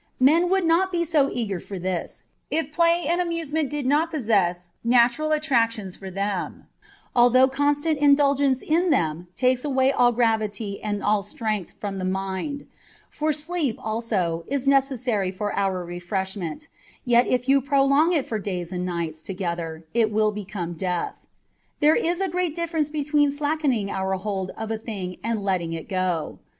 Men would not be so eager for this, if play and amusement did not possess natural attractions for them, although con stant indulgence in them takes away all gravity and all strength from the mind : for sleep, also, is necessary for our refreshment, yet if you prolong it for days and nights together it will become death. There is a great difference between slackening your hold of a thing and letting it go.